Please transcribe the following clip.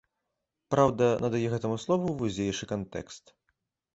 Праўда, надае гэтаму слову вузейшы кантэкст.